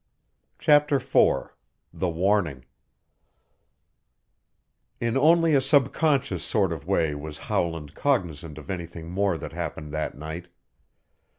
_" CHAPTER IV THE WARNING In only a subconscious sort of way was Howland cognizant of anything more that happened that night.